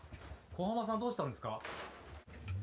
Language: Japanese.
小浜さんどうしたんですか？